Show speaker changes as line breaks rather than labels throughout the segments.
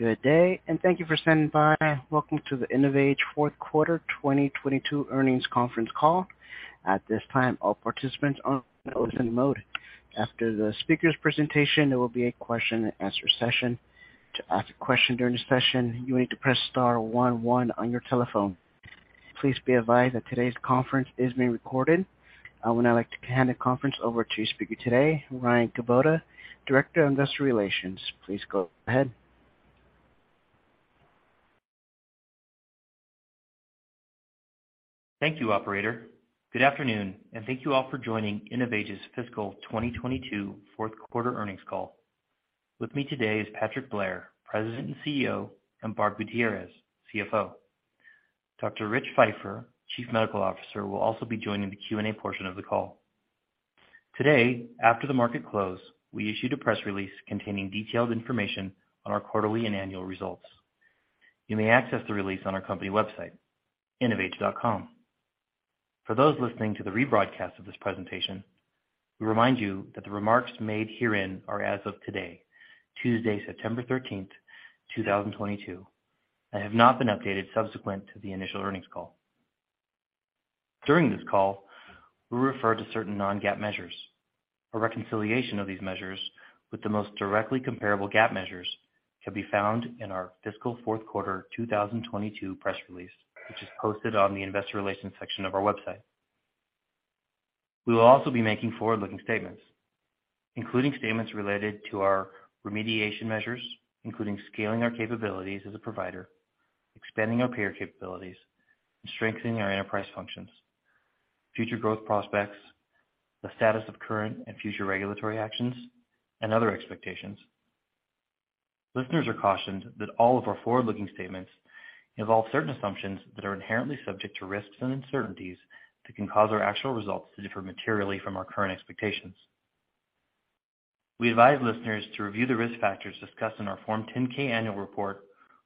Good day, thank you for standing by. Welcome to the InnovAge Fourth Quarter 2022 Earnings Conference Call. At this time, all participants are in listen mode. After the speaker's presentation, there will be a question-and-answer session. To ask a question during the session, you need to press star one one on your telephone. Please be advised that today's conference is being recorded. I would now like to hand the conference over to your speaker today, Ryan Kubota, Director of Investor Relations. Please go ahead.
Thank you, operator. Good afternoon, and thank you all for joining InnovAge's Fiscal 2022 Fourth Quarter Earnings Call. With me today is Patrick Blair, President and CEO, and Barb Gutierrez, CFO. Dr. Rich Feifer, Chief Medical Officer, will also be joining the Q&A portion of the call. Today, after the market close, we issued a press release containing detailed information on our quarterly and annual results. You may access the release on our company website, innovage.com. For those listening to the rebroadcast of this presentation, we remind you that the remarks made herein are as of today, Tuesday, September 13, 2022, and have not been updated subsequent to the initial earnings call. During this call, we refer to certain non-GAAP measures. A reconciliation of these measures with the most directly comparable GAAP measures can be found in our fiscal fourth quarter 2022 press release, which is posted on the Investor Relations section of our website. We will also be making forward-looking statements, including statements related to our remediation measures, including scaling our capabilities as a provider, expanding our payer capabilities, and strengthening our enterprise functions, future growth prospects, the status of current and future regulatory actions, and other expectations. Listeners are cautioned that all of our forward-looking statements involve certain assumptions that are inherently subject to risks and uncertainties that can cause our actual results to differ materially from our current expectations. We advise listeners to review the risk factors discussed in our Form 10-K annual report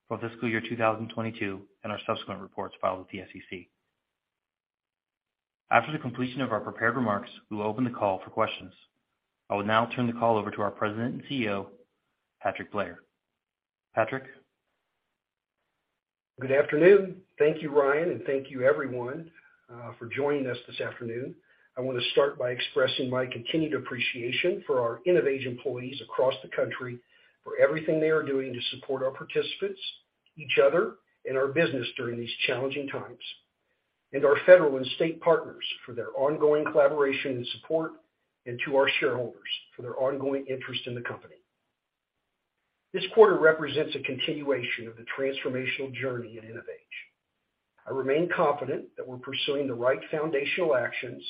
for fiscal year 2022 and our subsequent reports filed with the SEC. After the completion of our prepared remarks, we will open the call for questions. I will now turn the call over to our President and CEO, Patrick Blair. Patrick.
Good afternoon. Thank you, Ryan, and thank you everyone for joining us this afternoon. I want to start by expressing my continued appreciation for our InnovAge employees across the country for everything they are doing to support our participants, each other, and our business during these challenging times. Our federal and state partners for their ongoing collaboration and support, and to our shareholders for their ongoing interest in the company. This quarter represents a continuation of the transformational journey at InnovAge. I remain confident that we're pursuing the right foundational actions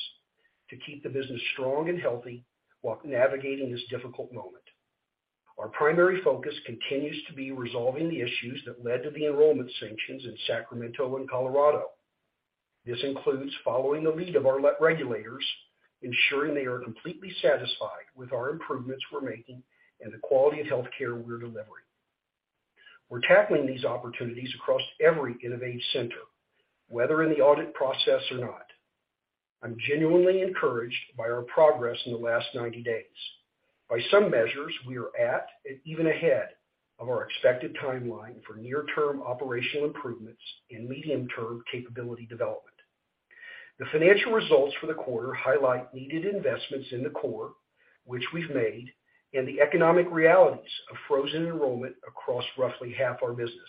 to keep the business strong and healthy while navigating this difficult moment. Our primary focus continues to be resolving the issues that led to the enrollment sanctions in Sacramento and Colorado. This includes following the lead of our regulators, ensuring they are completely satisfied with our improvements we're making and the quality of healthcare we're delivering. We're tackling these opportunities across every InnovAge center, whether in the audit process or not. I'm genuinely encouraged by our progress in the last 90 days. By some measures, we are at or even ahead of our expected timeline for near term operational improvements and medium-term capability development. The financial results for the quarter highlight needed investments in the core, which we've made, and the economic realities of frozen enrollment across roughly half our business.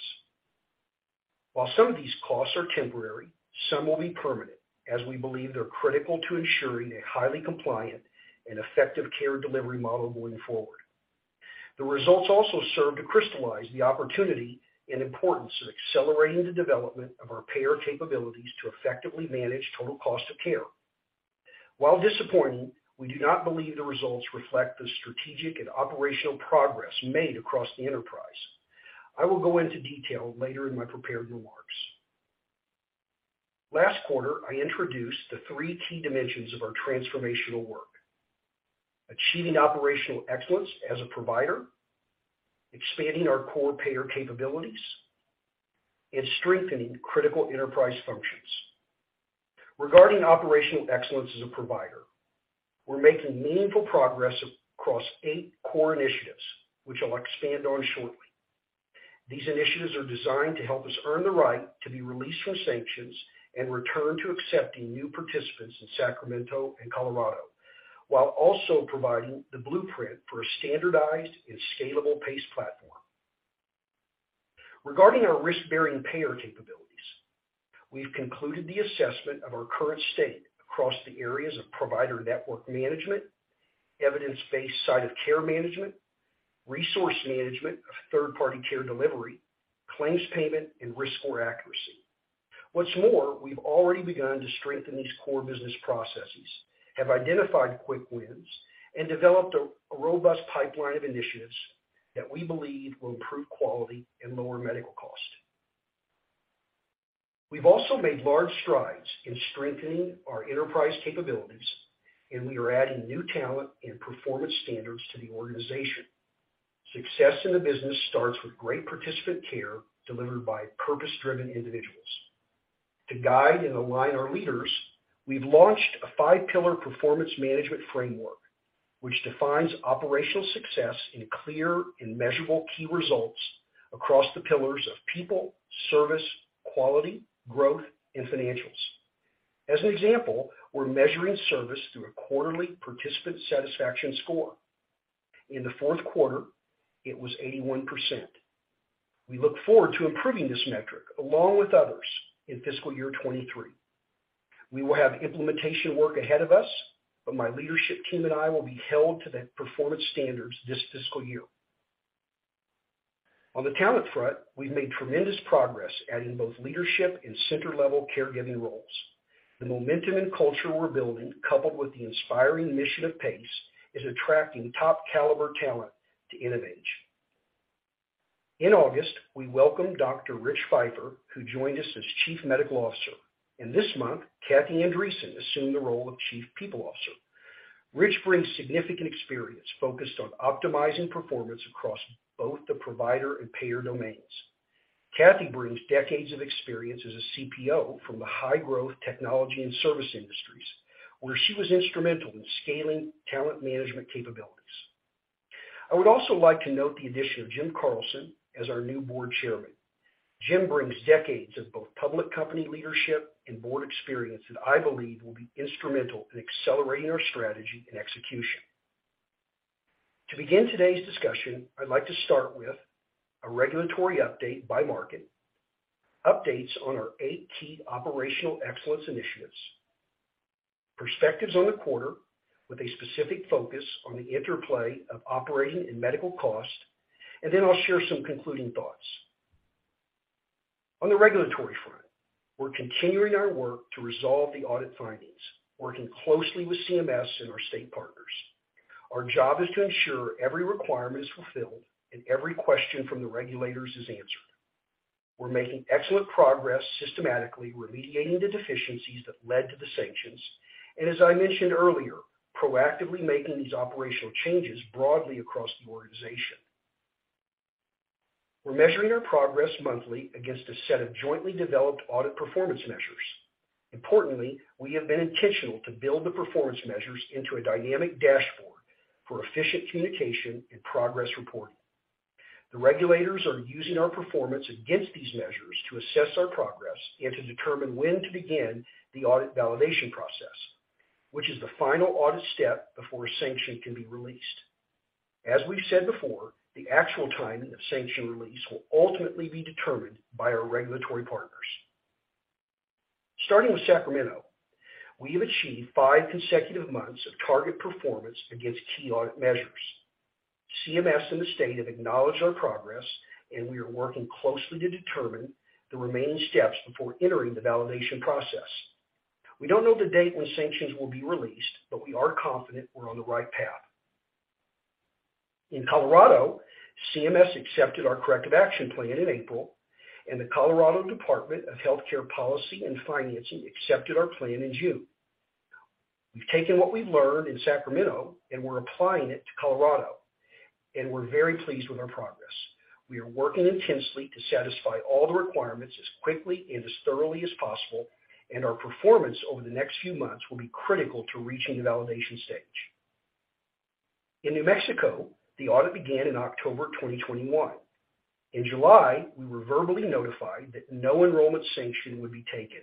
While some of these costs are temporary, some will be permanent, as we believe they're critical to ensuring a highly compliant and effective care delivery model going forward. The results also serve to crystallize the opportunity and importance of accelerating the development of our payer capabilities to effectively manage total cost of care. While disappointing, we do not believe the results reflect the strategic and operational progress made across the enterprise. I will go into detail later in my prepared remarks. Last quarter, I introduced the three key dimensions of our transformational work. Achieving operational excellence as a provider, expanding our core payer capabilities, and strengthening critical enterprise functions. Regarding operational excellence as a provider, we're making meaningful progress across eight core initiatives, which I'll expand on shortly. These initiatives are designed to help us earn the right to be released from sanctions and return to accepting new participants in Sacramento and Colorado, while also providing the blueprint for a standardized and scalable PACE platform. Regarding our risk-bearing payer capabilities, we've concluded the assessment of our current state across the areas of provider network management, evidence-based site of care management, resource management of third-party care delivery, claims payment, and risk score accuracy. What's more, we've already begun to strengthen these core business processes, have identified quick wins, and developed a robust pipeline of initiatives that we believe will improve quality and lower medical costs. We've also made large strides in strengthening our enterprise capabilities, and we are adding new talent and performance standards to the organization. Success in the business starts with great participant care delivered by purpose-driven individuals. To guide and align our leaders, we've launched a five-pillar performance management framework, which defines operational success in clear and measurable key results across the pillars of people, service, quality, growth, and financials. As an example, we're measuring service through a quarterly participant satisfaction score. In the fourth quarter, it was 81%. We look forward to improving this metric, along with others, in fiscal year 2023. We will have implementation work ahead of us, but my leadership team and I will be held to the performance standards this fiscal year. On the talent front, we've made tremendous progress adding both leadership and center-level caregiving roles. The momentum and culture we're building, coupled with the inspiring mission of PACE, is attracting top-caliber talent to InnovAge. In August, we welcomed Dr. Rich Feifer, who joined us as Chief Medical Officer. This month, Kathy Andreasen assumed the role of Chief People Officer. Rich brings significant experience focused on optimizing performance across both the provider and payer domains. Kathy brings decades of experience as a CPO from the high-growth technology and service industries, where she was instrumental in scaling talent management capabilities. I would also like to note the addition of Jim Carlson as our new Board Chairman. Jim brings decades of both public company leadership and board experience that I believe will be instrumental in accelerating our strategy and execution. To begin today's discussion, I'd like to start with a regulatory update by market, updates on our eight key operational excellence initiatives, perspectives on the quarter with a specific focus on the interplay of operating and medical cost, and then I'll share some concluding thoughts. On the regulatory front, we're continuing our work to resolve the audit findings, working closely with CMS and our state partners. Our job is to ensure every requirement is fulfilled and every question from the regulators is answered. We're making excellent progress systematically remediating the deficiencies that led to the sanctions, and as I mentioned earlier, proactively making these operational changes broadly across the organization. We're measuring our progress monthly against a set of jointly developed audit performance measures. Importantly, we have been intentional to build the performance measures into a dynamic dashboard for efficient communication and progress reporting. The regulators are using our performance against these measures to assess our progress and to determine when to begin the audit validation process, which is the final audit step before a sanction can be released. As we've said before, the actual timing of sanction release will ultimately be determined by our regulatory partners. Starting with Sacramento, we have achieved five consecutive months of target performance against key audit measures. CMS and the state have acknowledged our progress, and we are working closely to determine the remaining steps before entering the validation process. We don't know the date when sanctions will be released, but we are confident we're on the right path. In Colorado, CMS accepted our corrective action plan in April, and the Colorado Department of Health Care Policy and Financing accepted our plan in June. We've taken what we've learned in Sacramento, and we're applying it to Colorado, and we're very pleased with our progress. We are working intensely to satisfy all the requirements as quickly and as thoroughly as possible, and our performance over the next few months will be critical to reaching the validation stage. In New Mexico, the audit began in October 2021. In July, we were verbally notified that no enrollment sanction would be taken.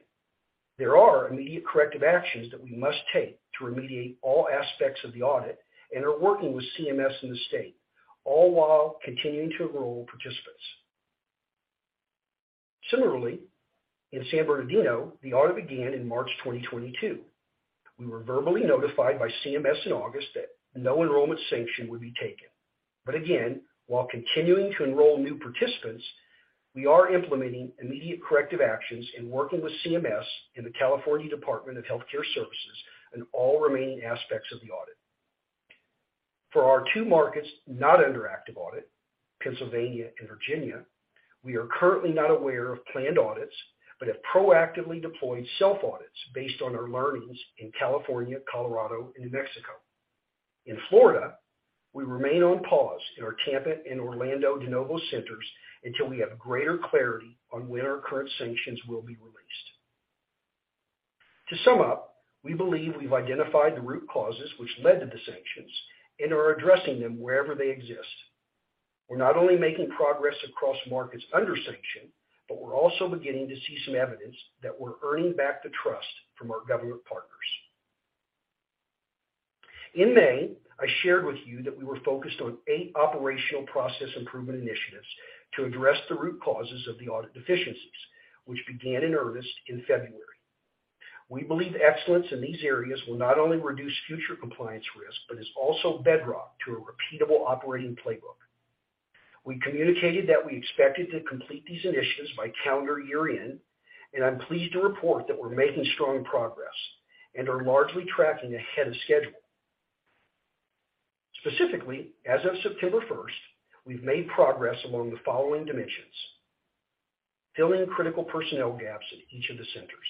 There are immediate corrective actions that we must take to remediate all aspects of the audit, and are working with CMS and the state, all while continuing to enroll participants. Similarly, in San Bernardino, the audit began in March 2022. We were verbally notified by CMS in August that no enrollment sanction would be taken. Again, while continuing to enroll new participants, we are implementing immediate corrective actions and working with CMS and the California Department of Health Care Services on all remaining aspects of the audit. For our two markets not under active audit, Pennsylvania and Virginia, we are currently not aware of planned audits, but have proactively deployed self-audits based on our learnings in California, Colorado, and New Mexico. In Florida, we remain on pause in our Tampa and Orlando de novo centers until we have greater clarity on when our current sanctions will be released. To sum up, we believe we've identified the root causes which led to the sanctions and are addressing them wherever they exist. We're not only making progress across markets under sanction, but we're also beginning to see some evidence that we're earning back the trust from our government partners. In May, I shared with you that we were focused on eight operational process improvement initiatives to address the root causes of the audit deficiencies, which began in earnest in February. We believe excellence in these areas will not only reduce future compliance risk, but is also bedrock to a repeatable operating playbook. We communicated that we expected to complete these initiatives by calendar year-end, and I'm pleased to report that we're making strong progress and are largely tracking ahead of schedule. Specifically, as of September first, we've made progress along the following dimensions. Filling critical personnel gaps at each of the centers.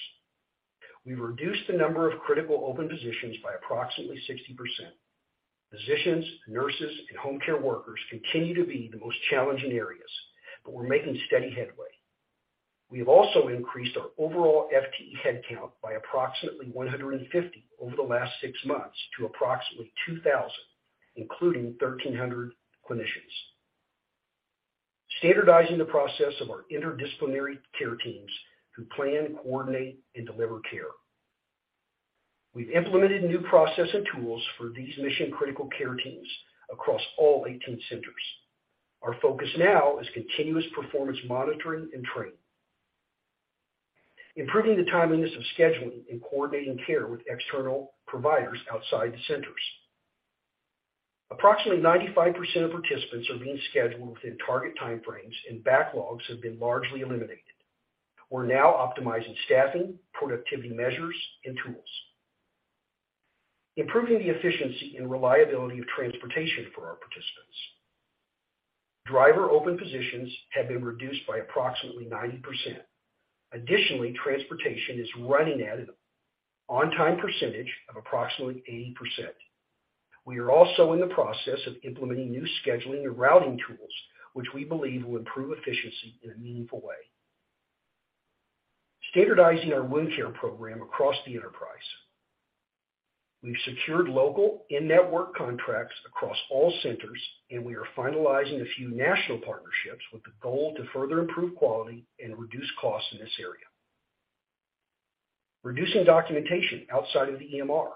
We've reduced the number of critical open positions by approximately 60%. Physicians, nurses, and home care workers continue to be the most challenging areas, but we're making steady headway. We have also increased our overall FTE headcount by approximately 150 over the last six months to approximately 2,000, including 1,300 clinicians. Standardizing the process of our interdisciplinary care teams who plan, coordinate, and deliver care. We've implemented new process and tools for these mission-critical care teams across all 18 centers. Our focus now is continuous performance monitoring and training. Improving the timeliness of scheduling and coordinating care with external providers outside the centers. Approximately 95% of participants are being scheduled within target time frames, and backlogs have been largely eliminated. We're now optimizing staffing, productivity measures, and tools. Improving the efficiency and reliability of transportation for our participants. Driver open positions have been reduced by approximately 90%. Transportation is running at an on-time percentage of approximately 80%. We are also in the process of implementing new scheduling and routing tools, which we believe will improve efficiency in a meaningful way. Standardizing our wound care program across the enterprise. We've secured local in-network contracts across all centers, and we are finalizing a few national partnerships with the goal to further improve quality and reduce costs in this area. Reducing documentation outside of the EMR.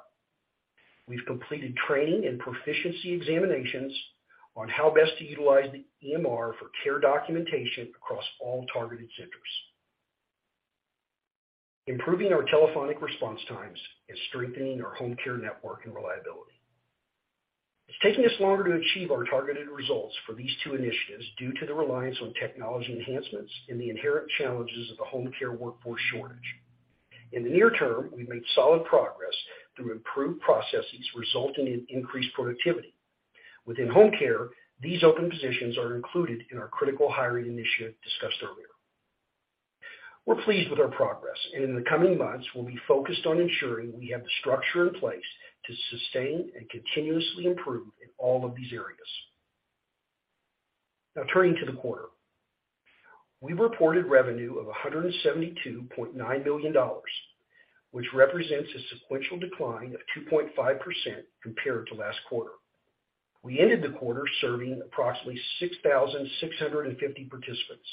We've completed training and proficiency examinations on how best to utilize the EMR for care documentation across all targeted centers. Improving our telephonic response times and strengthening our home care network and reliability. It's taking us longer to achieve our targeted results for these two initiatives due to the reliance on technology enhancements and the inherent challenges of the home care workforce shortage. In the near term, we've made solid progress through improved processes resulting in increased productivity. Within home care, these open positions are included in our critical hiring initiative discussed earlier. We're pleased with our progress, and in the coming months, we'll be focused on ensuring we have the structure in place to sustain and continuously improve in all of these areas. Now turning to the quarter. We reported revenue of $172.9 million, which represents a sequential decline of 2.5% compared to last quarter. We ended the quarter serving approximately 6,650 participants.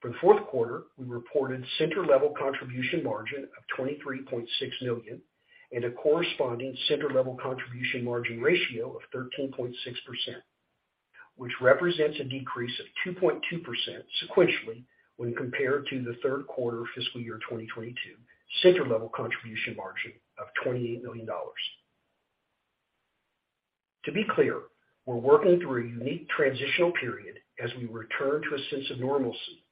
For the fourth quarter, we reported center level contribution margin of $23.6 million and a corresponding center-level contribution margin ratio of 13.6%, which represents a decrease of 2.2% sequentially when compared to the third quarter fiscal year 2022 center-level contribution margin of $28 million. To be clear, we're working through a unique transitional period as we return to a sense of normalcy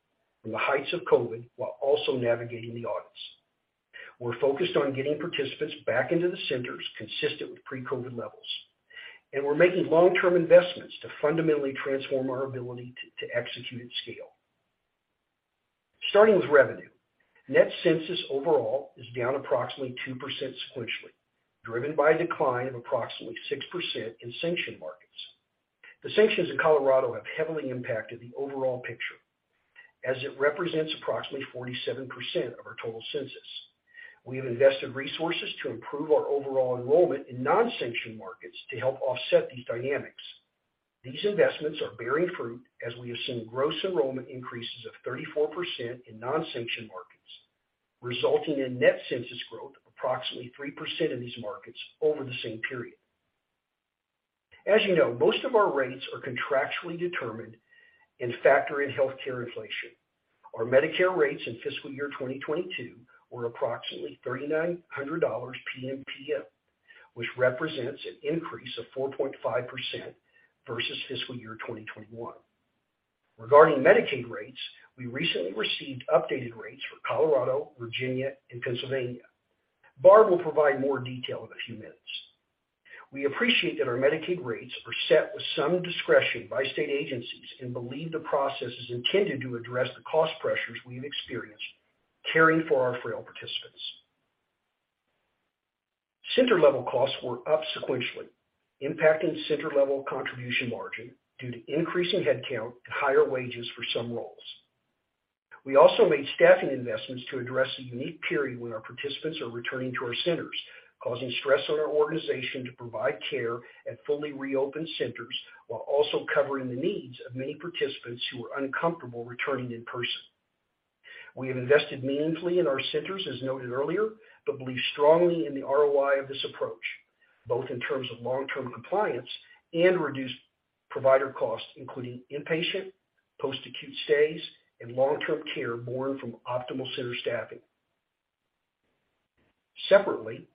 from the heights of COVID while also navigating the audits. We're focused on getting participants back into the centers consistent with pre-COVID levels, and we're making long-term investments to fundamentally transform our ability to execute at scale. Starting with revenue. Net census overall is down approximately 2% sequentially, driven by a decline of approximately 6% in sanctioned markets. The sanctions in Colorado have heavily impacted the overall picture as it represents approximately 47% of our total census. We have invested resources to improve our overall enrollment in non-sanction markets to help offset these dynamics. These investments are bearing fruit as we have seen gross enrollment increases of 34% in non-sanction markets, resulting in net census growth of approximately 3% in these markets over the same period. As you know, most of our rates are contractually determined and factor in healthcare inflation. Our Medicare rates in fiscal year 2022 were approximately $3,900 PMPM, which represents an increase of 4.5% versus fiscal year 2021. Regarding Medicaid rates, we recently received updated rates for Colorado, Virginia, and Pennsylvania. Barb will provide more detail in a few minutes. We appreciate that our Medicaid rates are set with some discretion by state agencies and believe the process is intended to address the cost pressures we have experienced caring for our frail participants. Center-level costs were up sequentially, impacting center-level contribution margin due to increasing headcount and higher wages for some roles. We also made staffing investments to address the unique period when our participants are returning to our centers, causing stress on our organization to provide care at fully reopened centers while also covering the needs of many participants who are uncomfortable returning in person. We have invested meaningfully in our centers, as noted earlier, but believe strongly in the ROI of this approach, both in terms of long-term compliance and reduced provider costs, including inpatient, post-acute stays, and long-term care borne from optimal center staffing. Separately,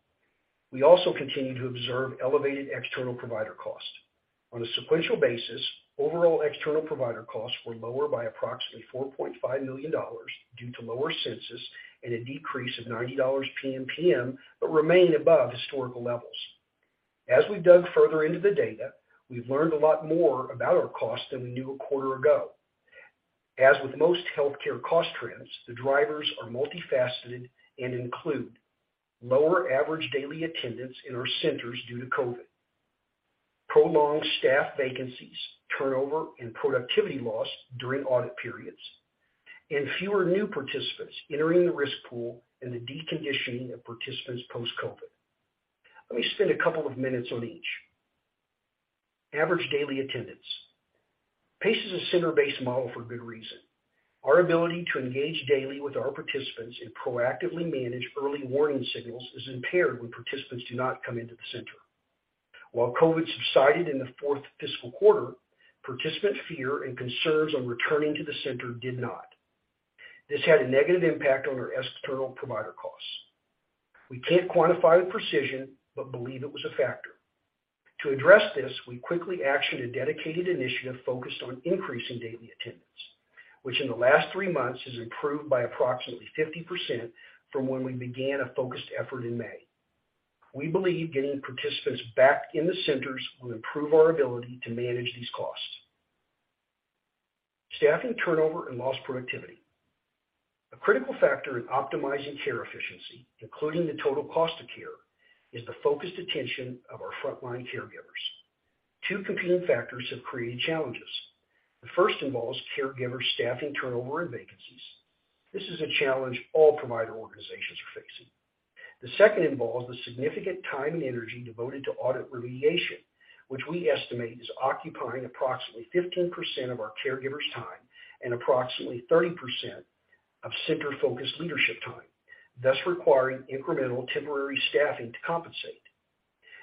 we also continue to observe elevated external provider costs. On a sequential basis, overall external provider costs were lower by approximately $4.5 million due to lower census and a decrease of $90 PMPM, but remain above historical levels. As we dug further into the data, we've learned a lot more about our cost than we knew a quarter ago. As with most healthcare cost trends, the drivers are multifaceted and include lower average daily attendance in our centers due to COVID, prolonged staff vacancies, turnover, and productivity loss during audit periods, and fewer new participants entering the risk pool and the deconditioning of participants post-COVID. Let me spend a couple of minutes on each. Average daily attendance. PACE is a center-based model for good reason. Our ability to engage daily with our participants and proactively manage early warning signals is impaired when participants do not come into the center. While COVID subsided in the fourth fiscal quarter, participant fear and concerns on returning to the center did not. This had a negative impact on our external provider costs. We can't quantify with precision, but believe it was a factor. To address this, we quickly actioned a dedicated initiative focused on increasing daily attendance, which in the last three months has improved by approximately 50% from when we began a focused effort in May. We believe getting participants back in the centers will improve our ability to manage these costs. Staffing turnover and lost productivity. A critical factor in optimizing care efficiency, including the total cost of care, is the focused attention of our frontline caregivers. Two competing factors have created challenges. The first involves caregiver staffing turnover and vacancies. This is a challenge all provider organizations are facing. The second involves the significant time and energy devoted to audit remediation, which we estimate is occupying approximately 15% of our caregivers' time and approximately 30% of center-focused leadership time, thus requiring incremental temporary staffing to compensate.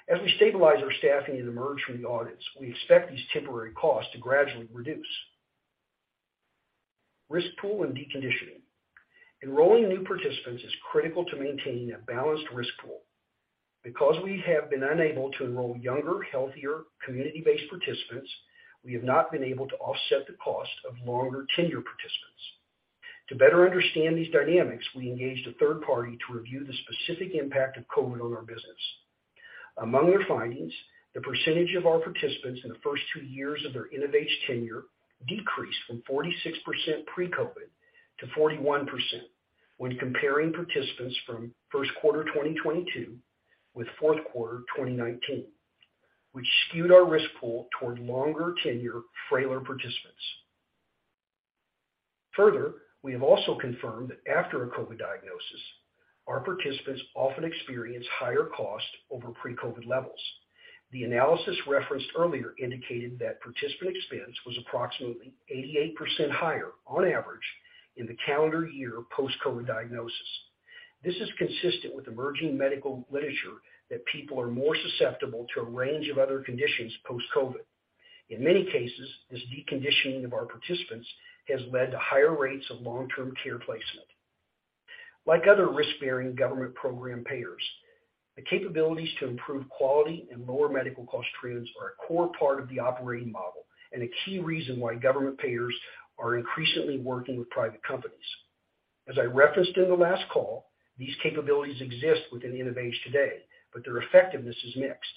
As we stabilize our staffing and emerge from the audits, we expect these temporary costs to gradually reduce. Risk pool and deconditioning. Enrolling new participants is critical to maintaining a balanced risk pool. Because we have been unable to enroll younger, healthier community-based participants, we have not been able to offset the cost of longer tenure participants. To better understand these dynamics, we engaged a third party to review the specific impact of COVID on our business. Among their findings, the percentage of our participants in the first two years of their InnovAge tenure decreased from 46% pre-COVID to 41% when comparing participants from first quarter 2022 with fourth quarter 2019, which skewed our risk pool toward longer tenure, frailer participants. Further, we have also confirmed that after a COVID diagnosis, our participants often experience higher costs over pre-COVID levels. The analysis referenced earlier indicated that participant expense was approximately 88% higher on average in the calendar year post-COVID diagnosis. This is consistent with emerging medical literature that people are more susceptible to a range of other conditions post-COVID. In many cases, this deconditioning of our participants has led to higher rates of long-term care placement. Like other risk-bearing government program payers, the capabilities to improve quality and lower medical cost trends are a core part of the operating model and a key reason why government payers are increasingly working with private companies. As I referenced in the last call, these capabilities exist within InnovAge today, but their effectiveness is mixed.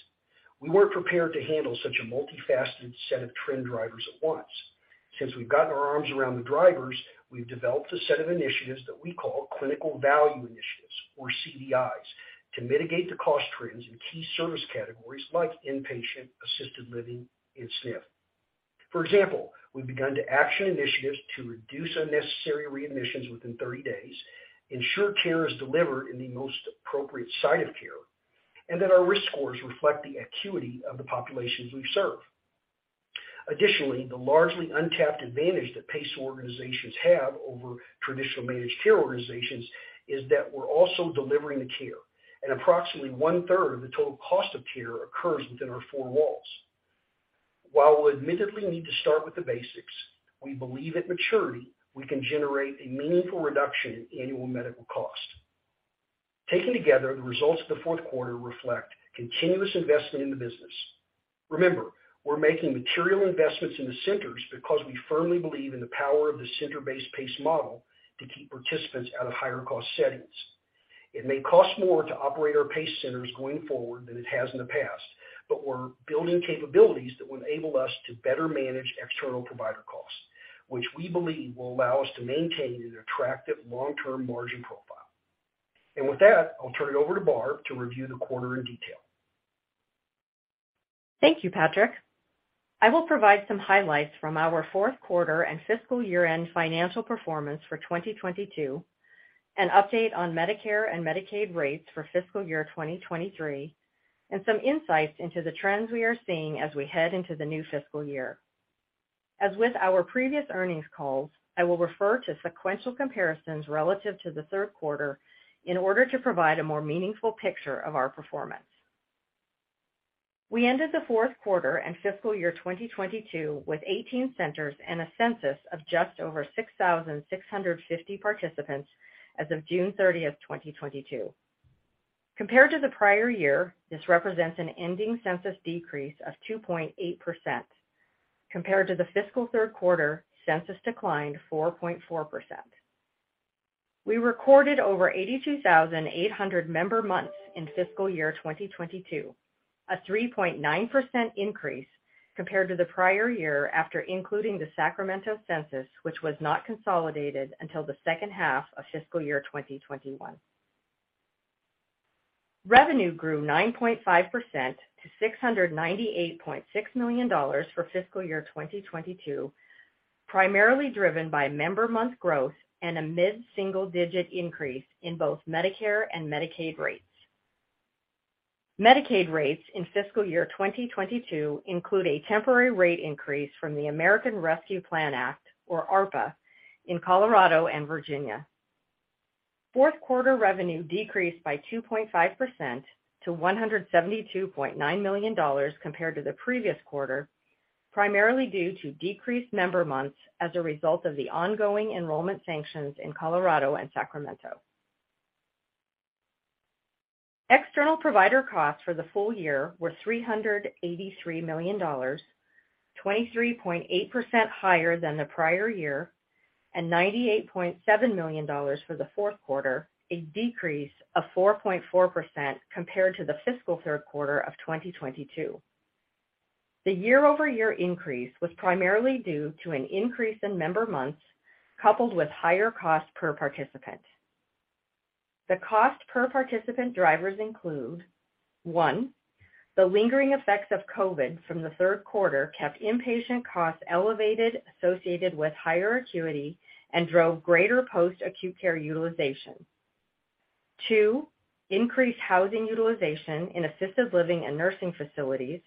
We weren't prepared to handle such a multifaceted set of trend drivers at once. Since we've gotten our arms around the drivers, we've developed a set of initiatives that we call Clinical Value Initiatives, or CVIs, to mitigate the cost trends in key service categories like inpatient, assisted living, and SNF. For example, we've begun to action initiatives to reduce unnecessary readmissions within 30 days, ensure care is delivered in the most appropriate site of care, and that our risk scores reflect the acuity of the populations we serve. Additionally, the largely untapped advantage that PACE organizations have over traditional managed care organizations is that we're also delivering the care, and approximately 1/3 of the total cost of care occurs within our four walls. While we'll admittedly need to start with the basics, we believe at maturity, we can generate a meaningful reduction in annual medical cost. Taken together, the results of the fourth quarter reflect continuous investment in the business. Remember, we're making material investments in the centers because we firmly believe in the power of the center-based PACE model to keep participants out of higher cost settings. It may cost more to operate our PACE centers going forward than it has in the past, but we're building capabilities that will enable us to better manage external provider costs, which we believe will allow us to maintain an attractive long-term margin profile. With that, I'll turn it over to Barb to review the quarter in detail.
Thank you, Patrick. I will provide some highlights from our fourth quarter and fiscal year-end financial performance for 2022, an update on Medicare and Medicaid rates for fiscal year 2023, and some insights into the trends we are seeing as we head into the new fiscal year. As with our previous earnings calls, I will refer to sequential comparisons relative to the third quarter in order to provide a more meaningful picture of our performance. We ended the fourth quarter and fiscal year 2022 with 18 centers and a census of just over 6,650 participants as of June 30, 2022. Compared to the prior year, this represents an ending census decrease of 2.8%. Compared to the fiscal third quarter, census declined 4.4%. We recorded over 82,800 member months in fiscal year 2022, a 3.9% increase compared to the prior year after including the Sacramento census, which was not consolidated until the second half of fiscal year 2021. Revenue grew 9.5% to $698.6 million for fiscal year 2022, primarily driven by member month growth and a mid-single digit increase in both Medicare and Medicaid rates. Medicaid rates in fiscal year 2022 include a temporary rate increase from the American Rescue Plan Act, or ARPA, in Colorado and Virginia. Fourth quarter revenue decreased by 2.5% to $172.9 million compared to the previous quarter, primarily due to decreased member months as a result of the ongoing enrollment sanctions in Colorado and Sacramento. External provider costs for the full year were $383 million, 23.8% higher than the prior year, and $98.7 million for the fourth quarter, a decrease of 4.4% compared to the fiscal third quarter of 2022. The year-over-year increase was primarily due to an increase in member months, coupled with higher cost per participant. The cost per participant drivers include, one, the lingering effects of COVID from the third quarter kept inpatient costs elevated associated with higher acuity, and drove greater post-acute care utilization. Two, increased housing utilization in assisted living and nursing facilities.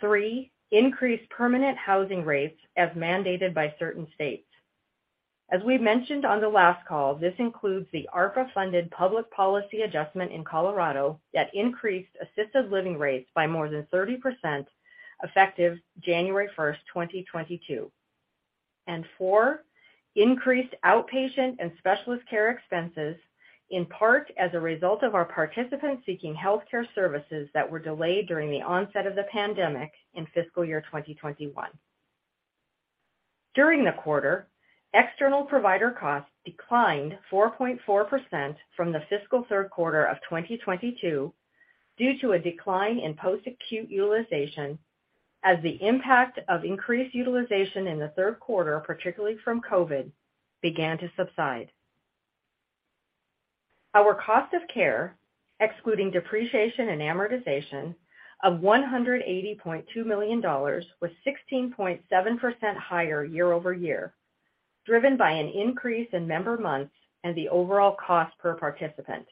Three, increased permanent housing rates as mandated by certain states. As we mentioned on the last call, this includes the ARPA-funded public policy adjustment in Colorado that increased assisted living rates by more than 30% effective January 1, 2022. Four, increased outpatient and specialist care expenses, in part as a result of our participants seeking healthcare services that were delayed during the onset of the pandemic in fiscal year 2021. During the quarter, external provider costs declined 4.4% from the fiscal third quarter of 2022 due to a decline in post-acute utilization as the impact of increased utilization in the third quarter, particularly from COVID, began to subside. Our cost of care, excluding depreciation and amortization, of $180.2 million was 16.7% higher year-over-year, driven by an increase in member months and the overall cost per participant.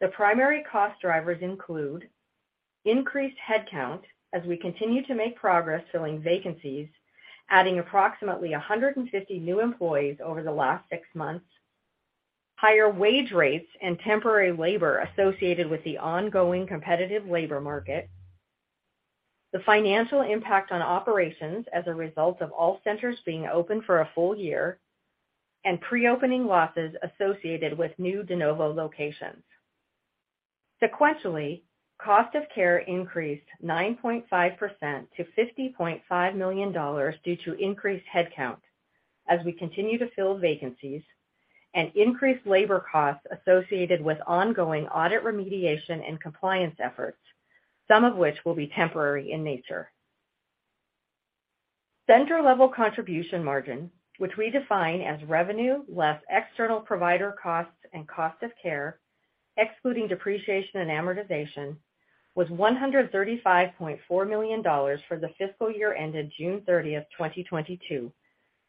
The primary cost drivers include increased headcount as we continue to make progress filling vacancies, adding approximately 150 new employees over the last six months, higher wage rates, and temporary labor associated with the ongoing competitive labor market, the financial impact on operations as a result of all centers being open for a full year, and pre-opening losses associated with new de novo locations. Sequentially, cost of care increased 9.5% to $50.5 million due to increased headcount as we continue to fill vacancies and increased labor costs associated with ongoing audit remediation and compliance efforts, some of which will be temporary in nature. Center level contribution margin, which we define as revenue less external provider costs and cost of care, excluding depreciation and amortization, was $135.4 million for the fiscal year ended June 30, 2022,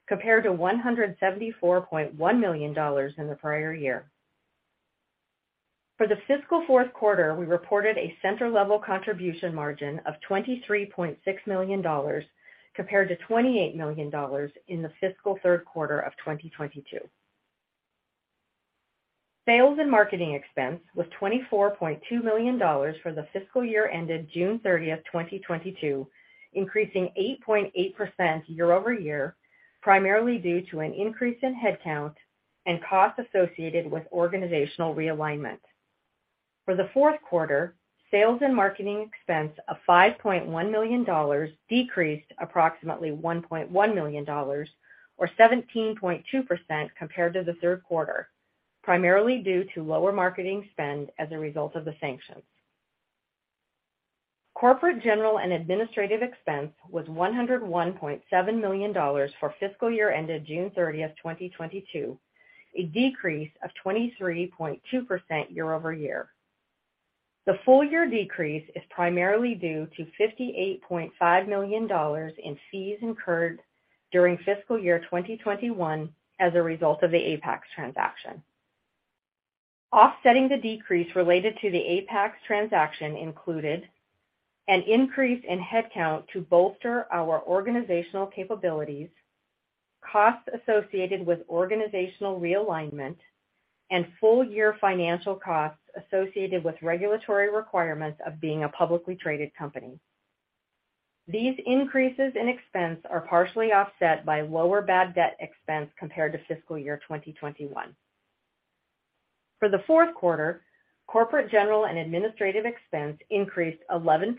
compared to $174.1 million in the prior year. For the fiscal fourth quarter, we reported a center-level contribution margin of $23.6 million compared to $28 million in the fiscal third quarter of 2022. Sales and marketing expense was $24.2 million for the fiscal year ended June 30, 2022, increasing 8.8% year-over-year, primarily due to an increase in headcount and costs associated with organizational realignment. For the fourth quarter, sales and marketing expense of $5.1 million decreased approximately $1.1 million or 17.2% compared to the third quarter, primarily due to lower marketing spend as a result of the sanctions. Corporate, general, and administrative expense was $101.7 million for fiscal year ended June 30th, 2022, a decrease of 23.2% year-over-year. The full year decrease is primarily due to $58.5 million in fees incurred during fiscal year 2021 as a result of the Apax transaction. Offsetting the decrease related to the Apax transaction included an increase in headcount to bolster our organizational capabilities, costs associated with organizational realignment, and full-year financial costs associated with regulatory requirements of being a publicly traded company. These increases in expense are partially offset by lower bad debt expense compared to fiscal year 2021. For the fourth quarter, corporate general and administrative expense increased 11%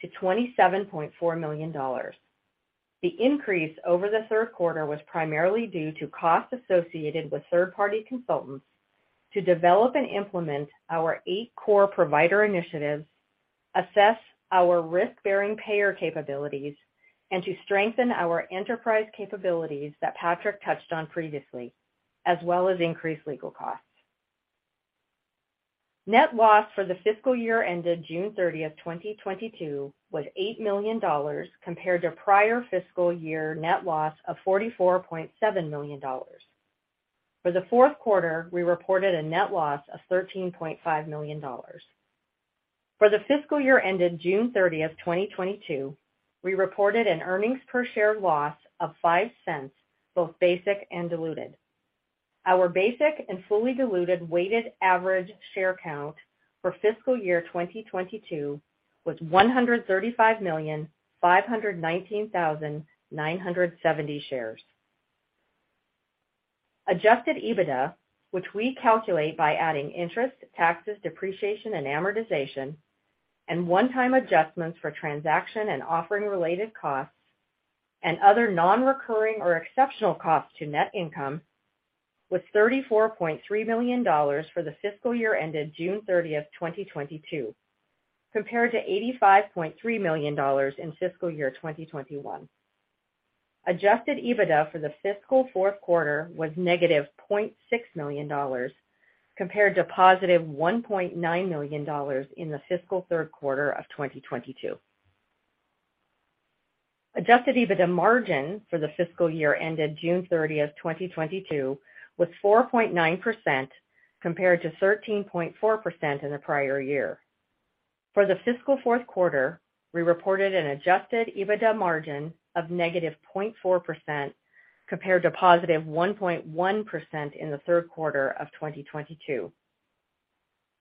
to $27.4 million. The increase over the third quarter was primarily due to costs associated with third-party consultants to develop and implement our eight core provider initiatives, assess our risk-bearing payer capabilities, and to strengthen our enterprise capabilities that Patrick touched on previously, as well as increased legal costs. Net loss for the fiscal year ended June 30, 2022 was $8 million compared to prior fiscal year net loss of $44.7 million. For the fourth quarter, we reported a net loss of $13.5 million. For the fiscal year ended June 30th, 2022, we reported an earnings per share loss of $0.05, both basic and diluted. Our basic and fully diluted weighted average share count for fiscal year 2022 was 135,519,970 shares. Adjusted EBITDA, which we calculate by adding interest, taxes, depreciation, and amortization, and one-time adjustments for transaction and offering related costs, and other non-recurring or exceptional costs to net income, was $34.3 million for the fiscal year ended June 30th, 2022, compared to $85.3 million in fiscal year 2021. Adjusted EBITDA for the fiscal fourth quarter was -$0.6 million compared to $1.9 million in the fiscal third quarter of 2022. Adjusted EBITDA margin for the fiscal year ended June 30, 2022 was 4.9% compared to 13.4% in the prior year. For the fiscal fourth quarter, we reported an adjusted EBITDA margin of -0.4% compared to +1.1% in the third quarter of 2022.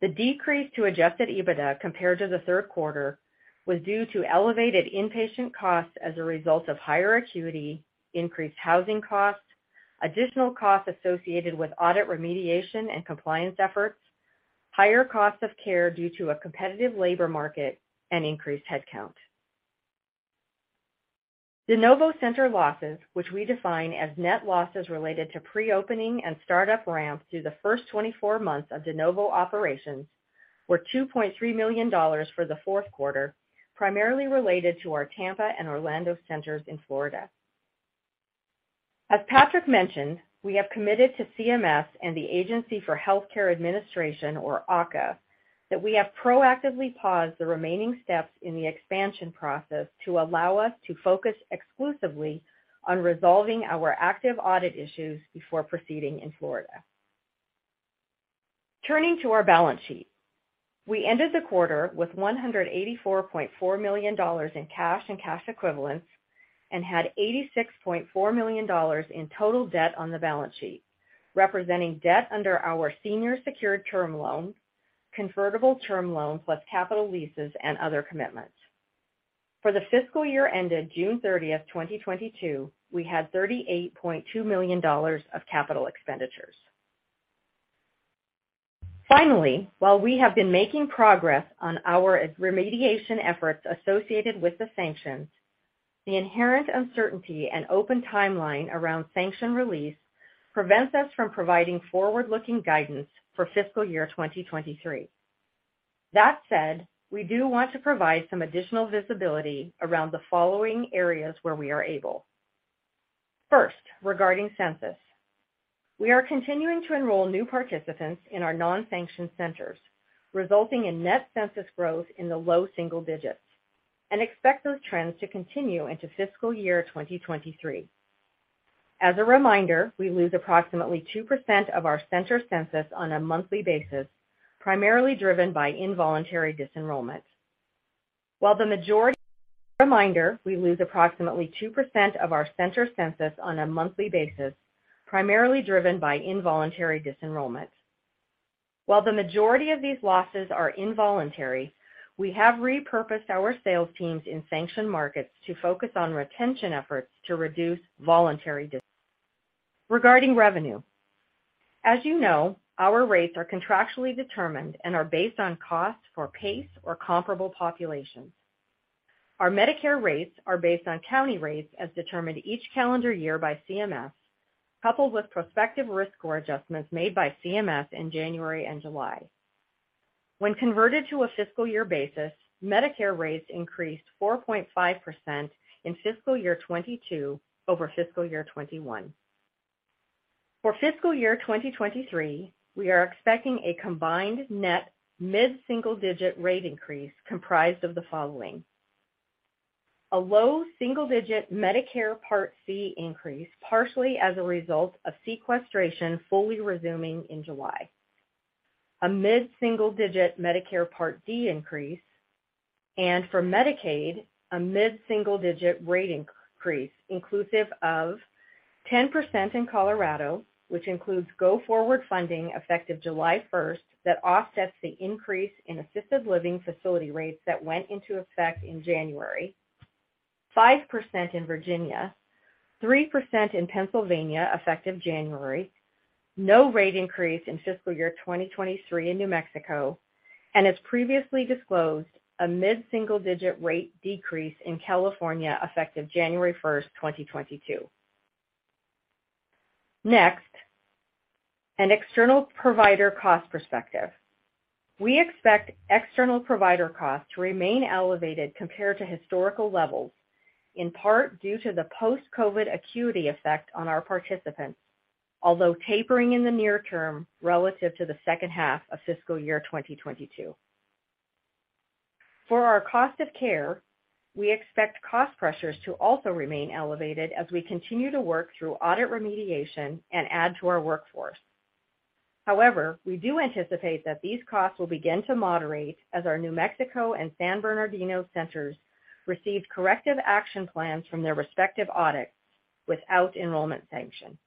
The decrease to adjusted EBITDA compared to the third quarter was due to elevated inpatient costs as a result of higher acuity, increased housing costs, additional costs associated with audit remediation and compliance efforts, higher costs of care due to a competitive labor market, and increased headcount. De novo center losses, which we define as net losses related to pre-opening and startup ramps through the first 24 months of de novo operations, were $2.3 million for the fourth quarter, primarily related to our Tampa and Orlando centers in Florida. As Patrick mentioned, we have committed to CMS and the Agency for Health Care Administration, or AHCA, that we have proactively paused the remaining steps in the expansion process to allow us to focus exclusively on resolving our active audit issues before proceeding in Florida. Turning to our balance sheet. We ended the quarter with $184.4 million in cash and cash equivalents and had $86.4 million in total debt on the balance sheet, representing debt under our senior secured term loan, convertible term loan plus capital leases, and other commitments. For the fiscal year ended June 30, 2022, we had $38.2 million of capital expenditures. Finally, while we have been making progress on our remediation efforts associated with the sanctions, the inherent uncertainty and open timeline around sanction release prevents us from providing forward-looking guidance for fiscal year 2023. That said, we do want to provide some additional visibility around the following areas where we are able. First, regarding census. We are continuing to enroll new participants in our non-sanctioned centers, resulting in net census growth in the low-single-digits, and expect those trends to continue into fiscal year 2023. As a reminder, we lose approximately 2% of our center census on a monthly basis, primarily driven by involuntary disenrollment. While the majority of these losses are involuntary, we have repurposed our sales teams in sanctioned markets to focus on retention efforts to reduce voluntary. Regarding revenue, as you know, our rates are contractually determined and are based on costs for PACE or comparable populations. Our Medicare rates are based on county rates as determined each calendar year by CMS, coupled with prospective risk score adjustments made by CMS in January and July. When converted to a fiscal year basis, Medicare rates increased 4.5% in fiscal year 2022 over fiscal year 2021. For fiscal year 2023, we are expecting a combined net mid-single-digit rate increase comprised of the following. A low single-digit Medicare Part C increase, partially as a result of sequestration fully resuming in July. A mid-single-digit Medicare Part D increase. For Medicaid, a mid-single-digit rate increase inclusive of 10% in Colorado, which includes go-forward funding effective July 1 that offsets the increase in assisted living facility rates that went into effect in January. 5% in Virginia, 3% in Pennsylvania effective January, no rate increase in fiscal year 2023 in New Mexico, and as previously disclosed, a mid-single digit rate decrease in California effective January 1, 2022. Next, an external provider cost perspective. We expect external provider costs to remain elevated compared to historical levels, in part due to the post-COVID acuity effect on our participants, although tapering in the near term relative to the second half of fiscal year 2022. For our cost of care, we expect cost pressures to also remain elevated as we continue to work through audit remediation and add to our workforce. However, we do anticipate that these costs will begin to moderate as our New Mexico and San Bernardino centers receive corrective action plans from their respective audits without enrollment sanction.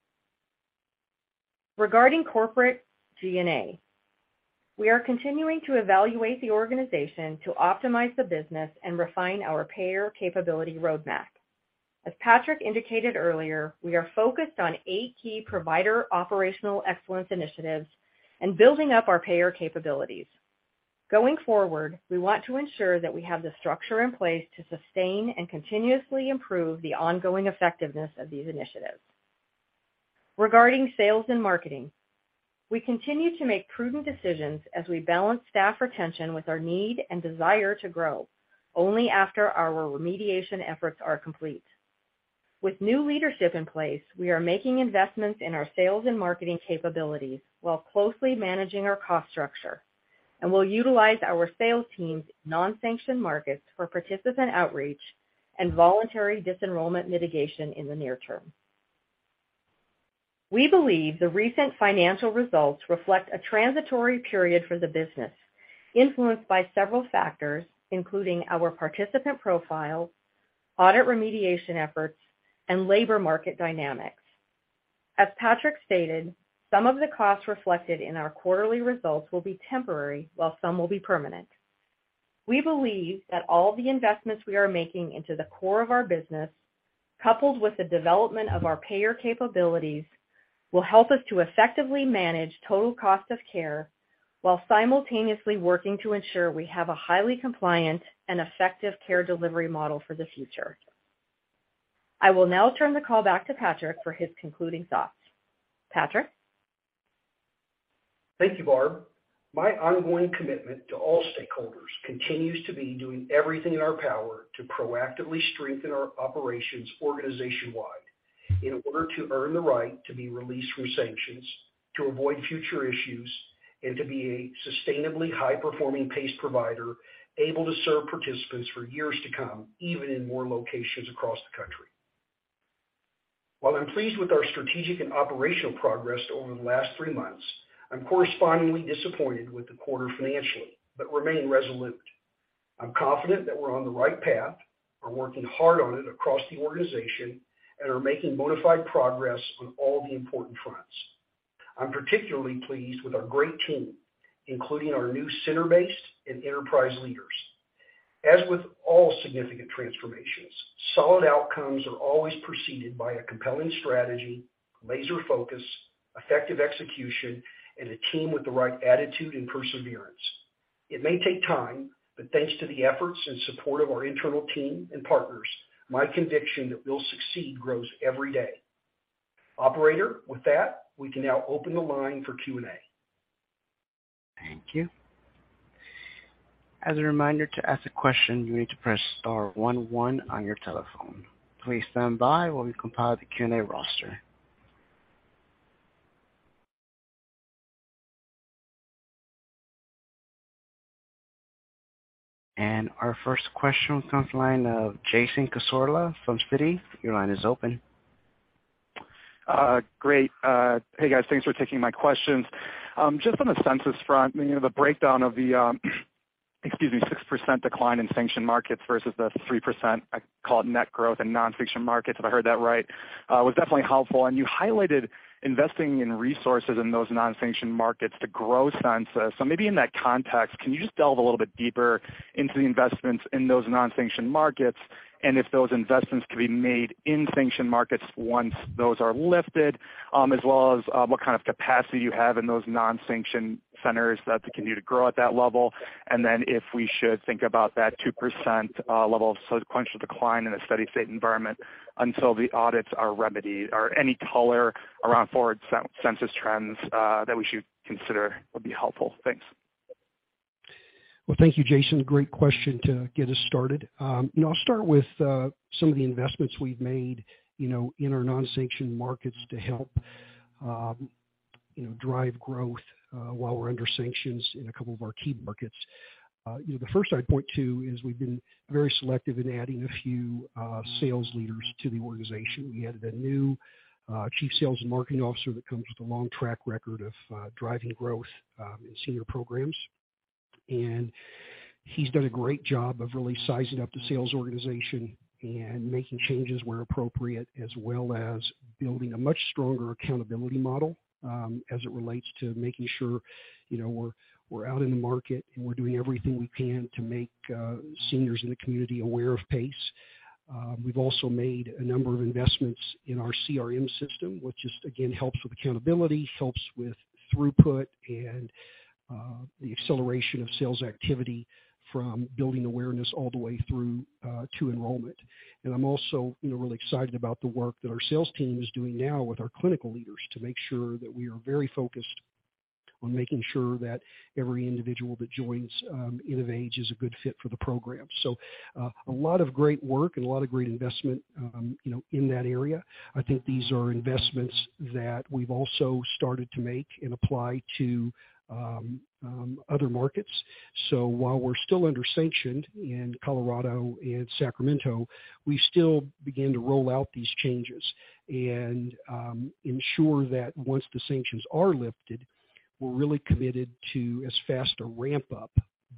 Regarding corporate G&A, we are continuing to evaluate the organization to optimize the business and refine our payer capability roadmap. As Patrick indicated earlier, we are focused on eight key provider operational excellence initiatives and building up our payer capabilities. Going forward, we want to ensure that we have the structure in place to sustain and continuously improve the ongoing effectiveness of these initiatives. Regarding sales and marketing, we continue to make prudent decisions as we balance staff retention with our need and desire to grow only after our remediation efforts are complete. With new leadership in place, we are making investments in our sales and marketing capabilities while closely managing our cost structure, and we'll utilize our sales team's non-sanctioned markets for participant outreach and voluntary dis-enrollment mitigation in the near term. We believe the recent financial results reflect a transitory period for the business, influenced by several factors, including our participant profile, audit remediation efforts, and labor market dynamics. As Patrick stated, some of the costs reflected in our quarterly results will be temporary, while some will be permanent. We believe that all the investments we are making into the core of our business, coupled with the development of our payer capabilities, will help us to effectively manage total cost of care while simultaneously working to ensure we have a highly compliant and effective care delivery model for the future. I will now turn the call back to Patrick for his concluding thoughts. Patrick?
Thank you, Barb. My ongoing commitment to all stakeholders continues to be doing everything in our power to proactively strengthen our operations organization-wide in order to earn the right to be released from sanctions, to avoid future issues, and to be a sustainably high-performing PACE provider able to serve participants for years to come, even in more locations across the country. While I'm pleased with our strategic and operational progress over the last three months, I'm correspondingly disappointed with the quarter financially, but remain resolute. I'm confident that we're on the right path, are working hard on it across the organization, and are making modified progress on all the important fronts. I'm particularly pleased with our great team, including our new center-based and enterprise leaders. As with all significant transformations, solid outcomes are always preceded by a compelling strategy, laser focus, effective execution, and a team with the right attitude and perseverance. It may take time, but thanks to the efforts and support of our internal team and partners, my conviction that we'll succeed grows every day. Operator, with that, we can now open the line for Q&A.
Thank you. As a reminder, to ask a question, you need to press star one one on your telephone. Please stand by while we compile the Q&A roster. Our first question comes from the line of Jason Cassorla from Citi. Your line is open.
Great. Hey, guys, thanks for taking my questions. Just on the census front, you know, the breakdown of the 6% decline in sanctioned markets versus the 3%, I call it net growth in non-sanctioned markets, if I heard that right, was definitely helpful. You highlighted investing in resources in those non-sanctioned markets to grow census. Maybe in that context, can you just delve a little bit deeper into the investments in those non-sanctioned markets, and if those investments can be made in sanctioned markets once those are lifted, as well as what kind of capacity you have in those non-sanctioned centers that continue to grow at that level? If we should think about that 2% level of sequential decline in a steady-state environment until the audits are remedied, or any color around forward census trends that we should consider would be helpful. Thanks.
Well, thank you, Jason. Great question to get us started. You know, I'll start with some of the investments we've made, you know, in our non-sanctioned markets to help, you know, drive growth, while we're under sanctions in a couple of our key markets. You know, the first I'd point to is we've been very selective in adding a few sales leaders to the organization. We added a new chief sales and marketing officer that comes with a long track record of driving growth in senior programs. He's done a great job of really sizing up the sales organization and making changes where appropriate, as well as building a much stronger accountability model as it relates to making sure, you know, we're out in the market, and we're doing everything we can to make seniors in the community aware of PACE. We've also made a number of investments in our CRM system, which again helps with accountability, helps with throughput and the acceleration of sales activity from building awareness all the way through to enrollment. I'm also, you know, really excited about the work that our sales team is doing now with our clinical leaders to make sure that we are very focused on making sure that every individual that joins InnovAge is a good fit for the program. A lot of great work and a lot of great investment, you know, in that area. I think these are investments that we've also started to make and apply to other markets. While we're still under sanctions in Colorado and Sacramento, we still begin to roll out these changes and ensure that once the sanctions are lifted, we're really committed to as fast a ramp up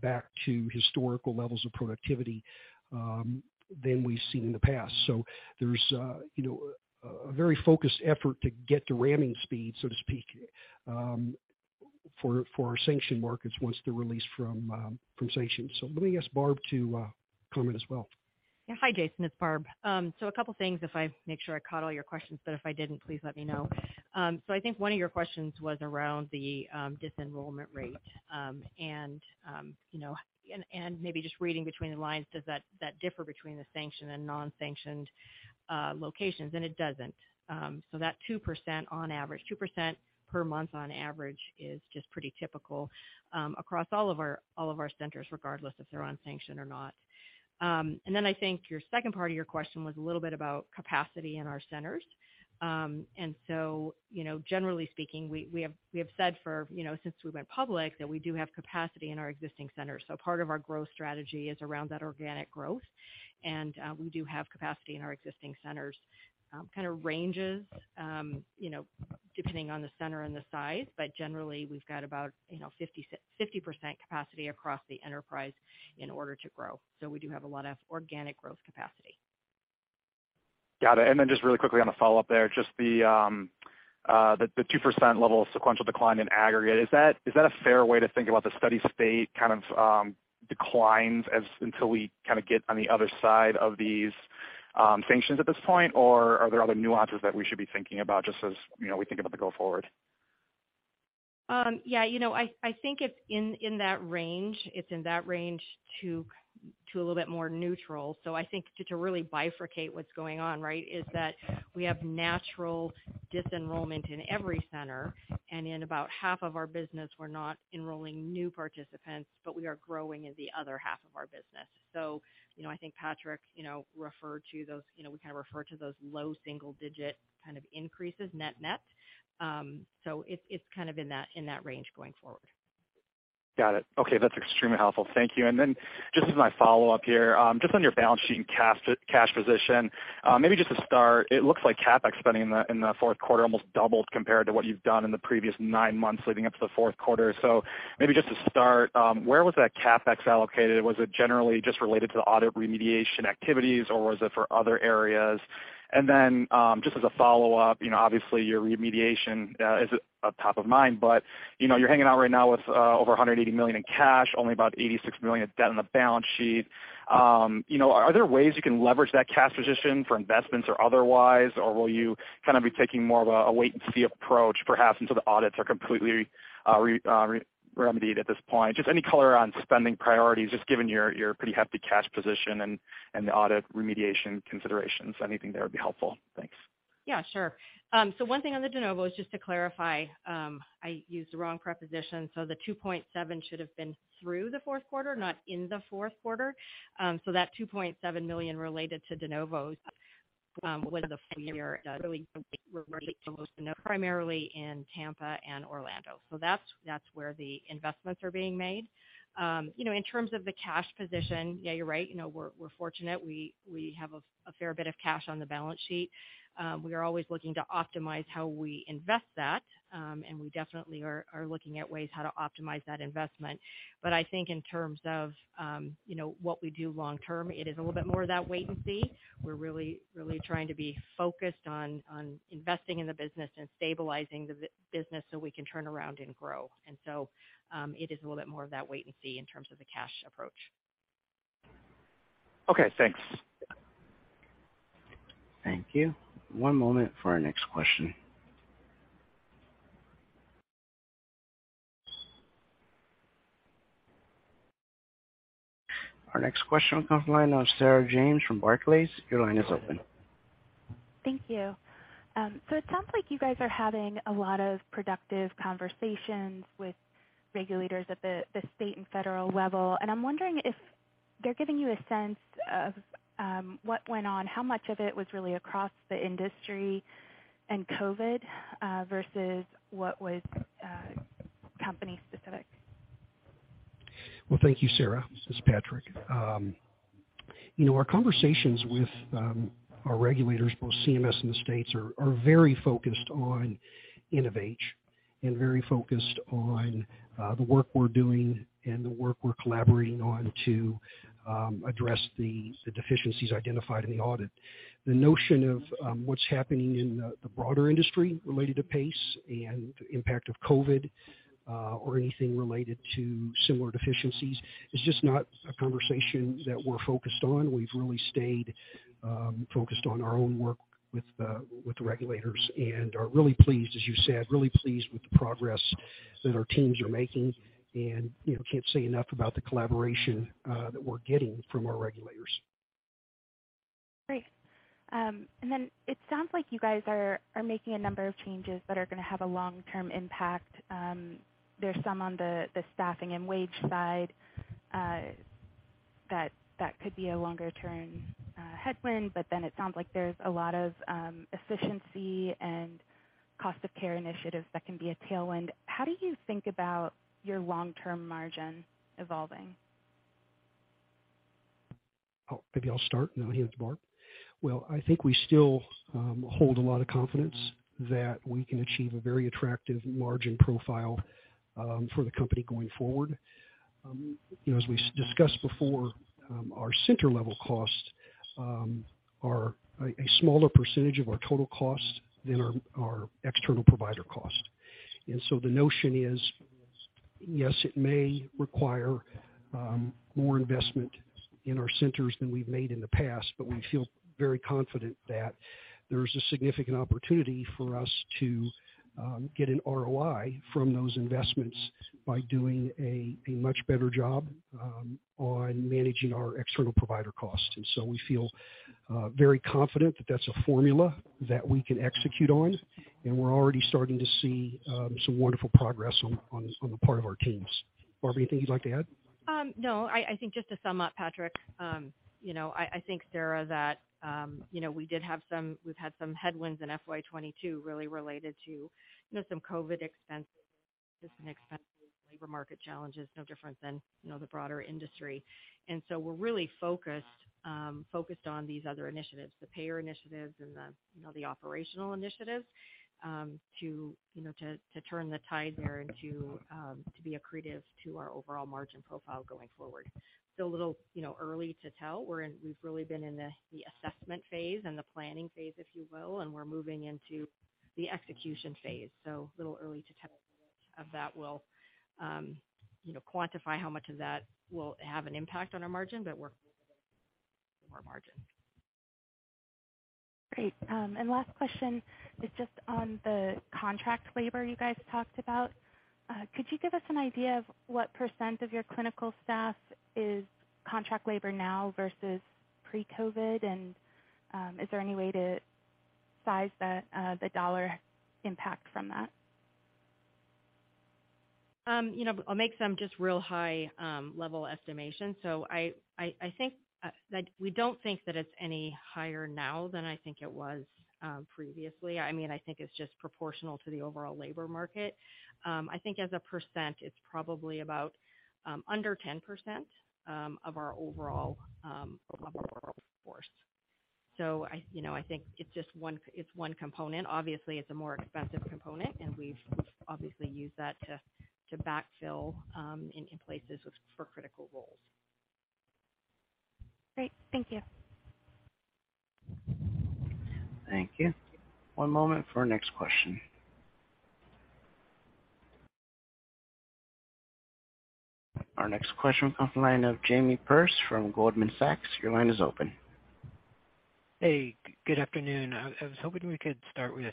back to historical levels of productivity than we've seen in the past. There's, you know, a very focused effort to get to ramming speed, so to speak, for our sanctioned markets once they're released from sanction. Let me ask Barb to comment as well.
Hi, Jason. It's Barb. A couple things to make sure I caught all your questions, but if I didn't, please let me know. I think one of your questions was around the disenrollment rate, and you know, maybe just reading between the lines, does that differ between the sanctioned and non-sanctioned locations? It doesn't. That 2% on average, 2% per month on average is just pretty typical across all of our centers regardless if they're sanctioned or not. I think your second part of your question was a little bit about capacity in our centers. You know, generally speaking, we have said you know since we went public that we do have capacity in our existing centers. Part of our growth strategy is around that organic growth. We do have capacity in our existing centers, kind of ranges, you know, depending on the center and the size. Generally, we've got about, you know, 50% capacity across the enterprise in order to grow. We do have a lot of organic growth capacity.
Got it. Just really quickly on the follow-up there, just the 2% level sequential decline in aggregate. Is that a fair way to think about the steady state kind of declines until we kinda get on the other side of these sanctions at this point? Are there other nuances that we should be thinking about just as, you know, we think about the go forward?
Yeah, you know, I think it's in that range. It's in that range to a little bit more neutral. I think to really bifurcate what's going on, right, is that we have natural disenrollment in every center. In about half of our business, we're not enrolling new participants, but we are growing in the other half of our business. You know, I think Patrick, you know, referred to those, you know, we kinda refer to those low-single-digit kind of increases net net. It's kind of in that range going forward.
Got it. Okay, that's extremely helpful. Thank you. Just as my follow-up here, just on your balance sheet and cash position, maybe just to start, it looks like CapEx spending in the fourth quarter almost doubled compared to what you've done in the previous nine months leading up to the fourth quarter. Maybe just to start, where was that CapEx allocated? Was it generally just related to the audit remediation activities, or was it for other areas? Just as a follow-up, you know, obviously, your remediation is top of mind, but, you know, you're hanging out right now with over $180 million in cash, only about $86 million of debt on the balance sheet. You know, are there ways you can leverage that cash position for investments or otherwise, or will you kind of be taking more of a wait-and-see approach perhaps until the audits are completely remedied at this point? Just any color on spending priorities, just given your pretty hefty cash position and the audit remediation considerations. Anything there would be helpful. Thanks.
Yeah, sure. One thing on the de novo is just to clarify, I used the wrong preposition. The 2.7 should have been through the fourth quarter, not in the fourth quarter. That $2.7 million related to de novos was a full year. Really relate to those primarily in Tampa and Orlando. That's where the investments are being made. You know, in terms of the cash position, yeah, you're right. You know, we're fortunate. We have a fair bit of cash on the balance sheet. We are always looking to optimize how we invest that. We definitely are looking at ways how to optimize that investment. But I think in terms of, you know, what we do long term, it is a little bit more of that wait and see. We're really trying to be focused on investing in the business and stabilizing the business so we can turn around and grow. It is a little bit more of that wait and see in terms of the cash approach.
Okay, thanks.
Thank you. One moment for our next question. Our next question will come from the line of Sarah James from Barclays. Your line is open.
Thank you. It sounds like you guys are having a lot of productive conversations with regulators at the state and federal level, and I'm wondering if they're giving you a sense of what went on, how much of it was really across the industry and COVID versus what was company-specific?
Well, thank you, Sarah. This is Patrick. You know, our conversations with our regulators, both CMS and the states, are very focused on InnovAge and very focused on the work we're doing and the work we're collaborating on to address the deficiencies identified in the audit. The notion of what's happening in the broader industry related to PACE and impact of COVID or anything related to similar deficiencies is just not a conversation that we're focused on. We've really stayed focused on our own work with the regulators and are really pleased, as you said, really pleased with the progress that our teams are making. You know, can't say enough about the collaboration that we're getting from our regulators.
Great. It sounds like you guys are making a number of changes that are gonna have a long-term impact. There's some on the staffing and wage side that could be a longer-term headwind, but then it sounds like there's a lot of efficiency and cost of care initiatives that can be a tailwind. How do you think about your long-term margin evolving?
Maybe I'll start and I'll hand it to Barb. Well, I think we still hold a lot of confidence that we can achieve a very attractive margin profile for the company going forward. You know, as we discussed before, our center-level costs are a smaller percentage of our total cost than our external provider cost. The notion is, yes, it may require more investment in our centers than we've made in the past, but we feel very confident that there's a significant opportunity for us to get an ROI from those investments by doing a much better job on managing our external provider costs. We feel very confident that that's a formula that we can execute on, and we're already starting to see some wonderful progress on the part of our teams. Barb, anything you'd like to add?
No. I think just to sum up, Patrick, you know, I think, Sarah, that, you know, we've had some headwinds in FY 2022 really related to, you know, some COVID expenses, just an expensive labor market challenges, no different than, you know, the broader industry. We're really focused on these other initiatives, the payer initiatives and the, you know, the operational initiatives, to turn the tide there and to be accretive to our overall margin profile going forward. Still a little, you know, early to tell. We've really been in the assessment phase and the planning phase, if you will, and we're moving into the execution phase. A little early to tell, you know, quantify how much of that will have an impact on our margin, but we're monitoring.
Great. Last question is just on the contract labor you guys talked about. Could you give us an idea of what percent of your clinical staff is contract labor now versus pre-COVID? Is there any way to size the dollar impact from that?
You know, I'll make some just real high-level estimations. I think that we don't think that it's any higher now than I think it was previously. I mean, I think it's just proportional to the overall labor market. I think as a percent, it's probably about under 10% of our overall workforce. You know, I think it's just one component. Obviously, it's a more expensive component, and we've obviously used that to backfill in places for critical roles.
Great. Thank you.
Thank you. One moment for our next question. Our next question comes from the line of Jamie Perse from Goldman Sachs. Your line is open.
Hey, good afternoon. I was hoping we could start with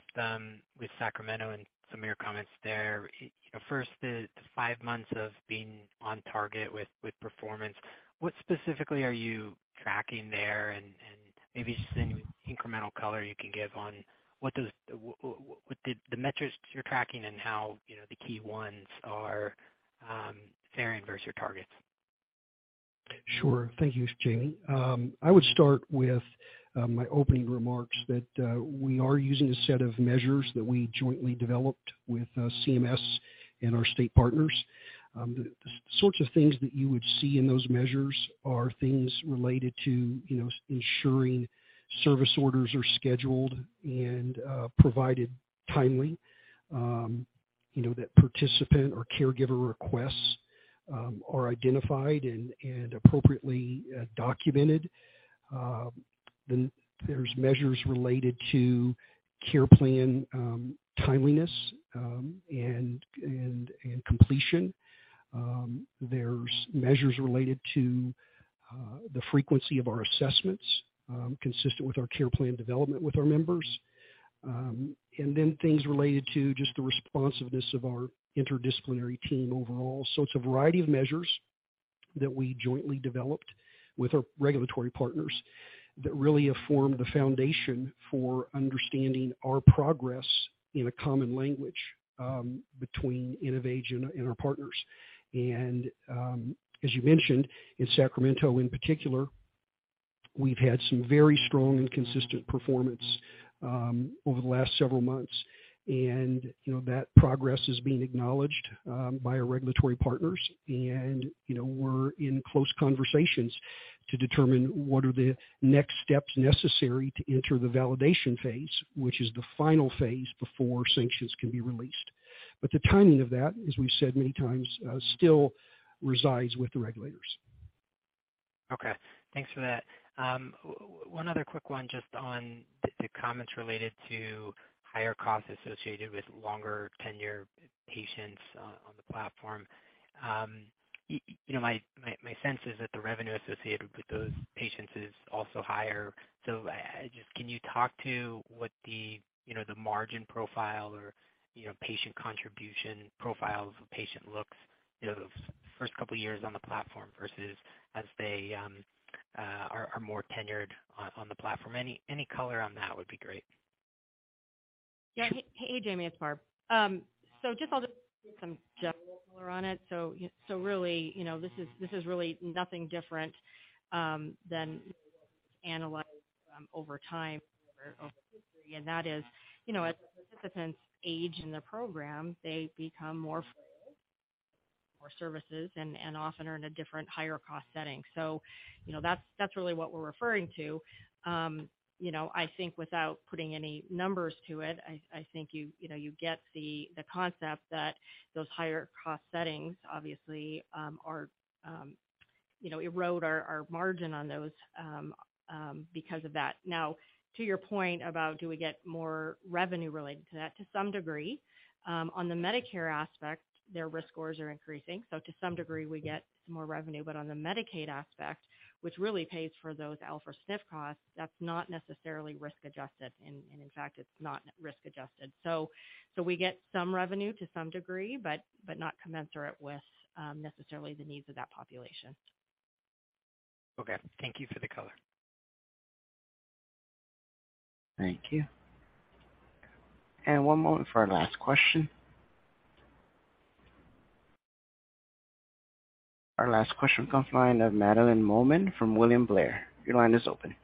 Sacramento and some of your comments there. You know, first, the five months of being on target with performance, what specifically are you tracking there? And maybe just any incremental color you can give on the metrics you're tracking and how, you know, the key ones are varying versus your targets.
Sure. Thank you, Jamie. I would start with my opening remarks that we are using a set of measures that we jointly developed with CMS and our state partners. The sorts of things that you would see in those measures are things related to, you know, ensuring service orders are scheduled and provided timely. You know, that participant or caregiver requests are identified and appropriately documented. There's measures related to care plan timeliness and completion. There's measures related to the frequency of our assessments consistent with our care plan development with our members. Things related to just the responsiveness of our interdisciplinary team overall. It's a variety of measures that we jointly developed with our regulatory partners that really have formed the foundation for understanding our progress in a common language, between InnovAge and our partners. As you mentioned, in Sacramento, in particular, we've had some very strong and consistent performance over the last several months. You know, that progress is being acknowledged by our regulatory partners. You know, we're in close conversations to determine what are the next steps necessary to enter the validation phase, which is the final phase before sanctions can be released. The timing of that, as we've said many times, still resides with the regulators.
Okay. Thanks for that. One other quick one, just on the comments related to higher costs associated with longer tenure patients on the platform. You know, my sense is that the revenue associated with those patients is also higher. Can you talk to what the margin profile or patient contribution profile of a patient looks, you know, those first couple years on the platform versus as they are more tenured on the platform? Any color on that would be great.
Yeah. Hey, Jamie, it's Barb. Just I'll just give some general color on it. Really, you know, this is really nothing different than you know what we've analyzed over time or over history. That is, you know, as the participants age in the program, they become more frail, more services, and often are in a different higher-cost setting. You know, that's really what we're referring to. You know, I think without putting any numbers to it, I think you know you get the concept that those higher cost settings obviously are you know erode our margin on those because of that. Now, to your point about do we get more revenue related to that? To some degree. On the Medicare aspect, their risk scores are increasing, so to some degree we get more revenue. On the Medicaid aspect, which really pays for those L4 SNF costs, that's not necessarily risk adjusted, and in fact it's not risk adjusted. We get some revenue to some degree, but not commensurate with necessarily the needs of that population.
Okay. Thank you for the color.
Thank you. One moment for our last question. Our last question comes from the line of Madeline Momen from William Blair. Your line is open.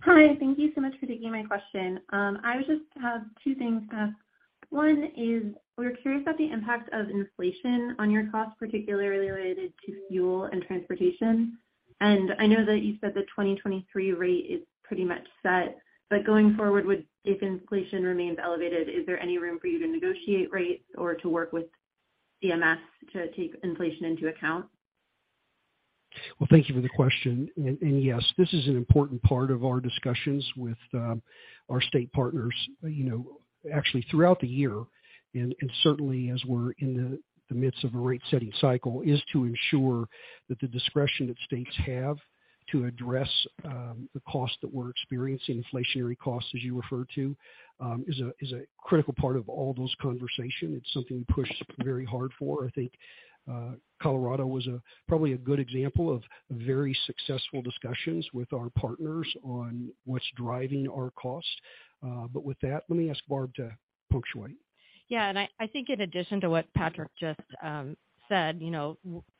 Hi. Thank you so much for taking my question. I just have two things to ask. One is, we're curious about the impact of inflation on your costs, particularly related to fuel and transportation. I know that you said the 2023 rate is pretty much set, but going forward, would if inflation remains elevated, is there any room for you to negotiate rates or to work with CMS to take inflation into account?
Well, thank you for the question. Yes, this is an important part of our discussions with our state partners, you know, actually throughout the year, and certainly as we're in the midst of a rate-setting cycle, is to ensure that the discretion that states have to address the costs that we're experiencing, inflationary costs as you refer to, is a critical part of all those conversations. It's something we push very hard for. I think Colorado was probably a good example of very successful discussions with our partners on what's driving our costs. With that, let me ask Barb to punctuate.
Yeah. I think in addition to what Patrick just said, you know,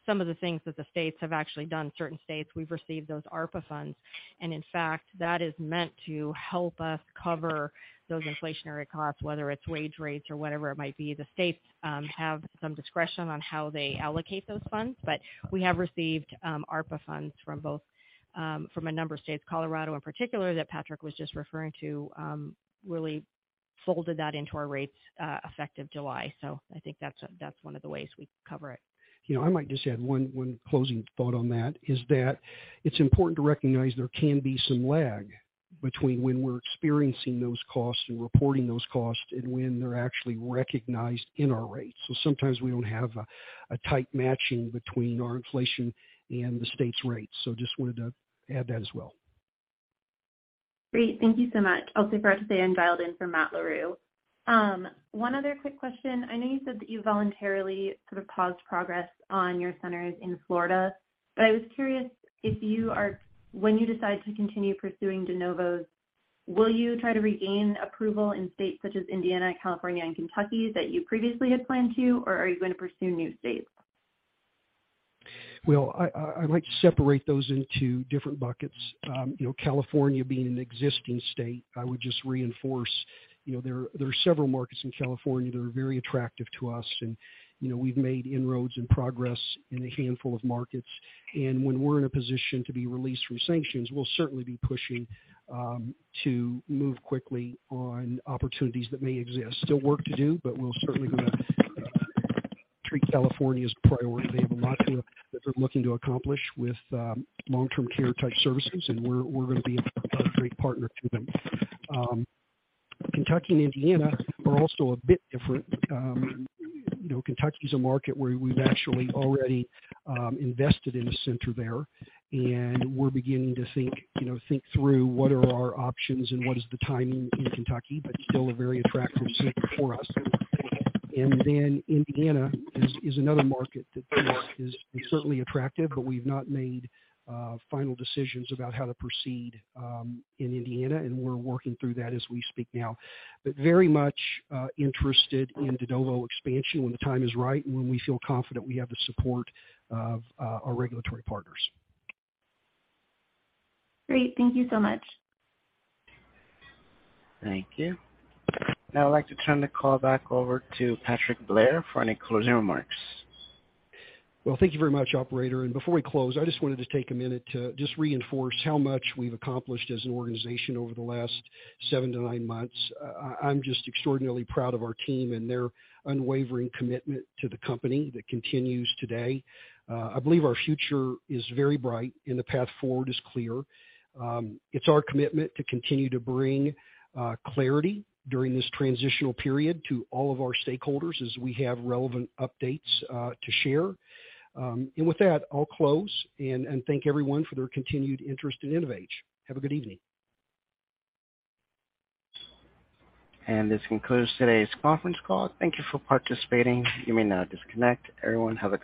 some of the things that the states have actually done, certain states, we've received those ARPA funds, and in fact, that is meant to help us cover those inflationary costs, whether it's wage rates or whatever it might be. The states have some discretion on how they allocate those funds. We have received ARPA funds from a number of states. Colorado in particular, that Patrick was just referring to, really folded that into our rates effective July. I think that's one of the ways we cover it.
You know, I might just add one closing thought on that, is that it's important to recognize there can be some lag between when we're experiencing those costs and reporting those costs and when they're actually recognized in our rates. Sometimes we don't have a tight matching between our inflation and the state's rates. Just wanted to add that as well.
Great. Thank you so much. I forgot to say I'm dialed in for Matt Larew. One other quick question. I know you said that you voluntarily sort of paused progress on your centers in Florida, but I was curious when you decide to continue pursuing de novos, will you try to regain approval in states such as Indiana, California, and Kentucky that you previously had planned to, or are you going to pursue new states?
Well, I would like to separate those into different buckets. You know, California being an existing state, I would just reinforce, you know, there are several markets in California that are very attractive to us. You know, we've made inroads and progress in a handful of markets. When we're in a position to be released from sanctions, we'll certainly be pushing to move quickly on opportunities that may exist. Still work to do, but we're certainly gonna treat California as a priority. They have a lot that they're looking to accomplish with long-term care type services, and we're gonna be a great partner to them. Kentucky and Indiana are also a bit different. You know, Kentucky is a market where we've actually already invested in a center there, and we're beginning to think, you know, think through what are our options and what is the timing in Kentucky, but still a very attractive state for us. Then Indiana is another market that, you know, is certainly attractive, but we've not made final decisions about how to proceed in Indiana, and we're working through that as we speak now. Very much interested in de novo expansion when the time is right and when we feel confident we have the support of our regulatory partners.
Great. Thank you so much.
Thank you. Now I'd like to turn the call back over to Patrick Blair for any closing remarks.
Well, thank you very much, operator. Before we close, I just wanted to take a minute to just reinforce how much we've accomplished as an organization over the last 7-9 months. I'm just extraordinarily proud of our team and their unwavering commitment to the company that continues today. I believe our future is very bright and the path forward is clear. It's our commitment to continue to bring clarity during this transitional period to all of our stakeholders as we have relevant updates to share. With that, I'll close and thank everyone for their continued interest in InnovAge. Have a good evening.
This concludes today's conference call. Thank you for participating. You may now disconnect. Everyone, have a good night.